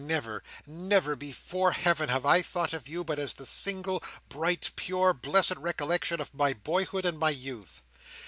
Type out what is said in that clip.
Never, never, before Heaven, have I thought of you but as the single, bright, pure, blessed recollection of my boyhood and my youth.